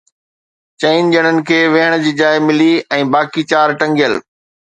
چئن ڄڻن کي ويهڻ جي جاءِ ملي ۽ باقي چار ٽنگيل.